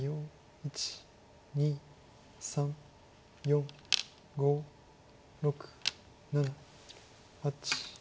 １２３４５６７８。